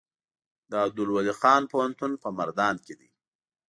د عبدالولي خان پوهنتون په مردان کې دی